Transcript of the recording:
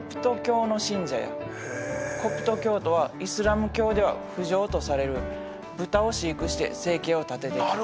コプト教徒はイスラム教では不浄とされる豚を飼育して生計を立ててきた。